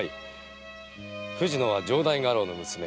藤乃は城代家老の娘。